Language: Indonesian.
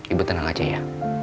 ibu tenang aja ya